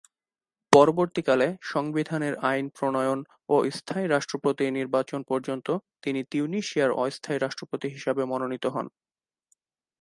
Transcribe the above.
পরবর্তীকালে, সংবিধানের আইন প্রণয়ন ও স্থায়ী রাষ্ট্রপতি নির্বাচন পর্যন্ত তিনি তিউনিসিয়ার অস্থায়ী রাষ্ট্রপতি হিসেবে মনোনীত হন।